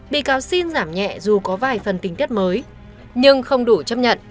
bị cáo xin giảm nhẹ dù có vài phần tình tiết mới nhưng không đủ chấp nhận